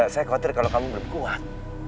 saya khawatir kalau kamu belum kuat